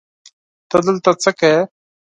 ته دلته څه کوې؟